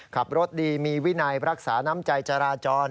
ขับรถดีมีวินัยรักษาน้ำใจจราจร